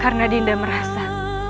karena dinda merasa